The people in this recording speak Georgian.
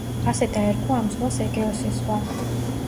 ასე დაერქვა ამ ზღვას ეგეოსის ზღვა.